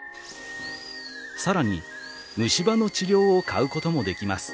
さらに虫歯の治療を買うこともできます」。